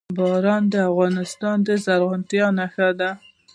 باران د افغانستان د زرغونتیا نښه ده.